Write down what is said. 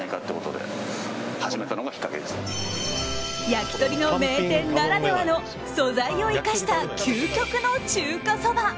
焼き鳥の名店ならではの素材を生かした究極の中華そば。